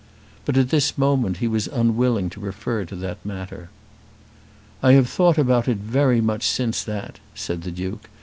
But at this moment he was unwilling to refer to that matter. "I have thought about it very much since that," said the Duke.